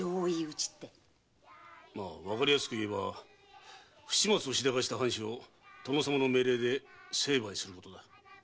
わかりやすく言えば不始末をしでかした藩士を殿様の命令で成敗することだ。